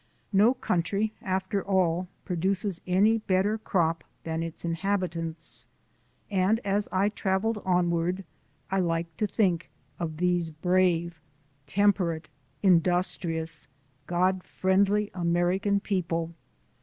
No country, after all, produces any better crop than its inhabitants. And as I travelled onward I liked to think of these brave, temperate, industrious, God friendly American people.